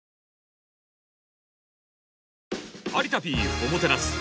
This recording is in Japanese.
「有田Ｐおもてなす」。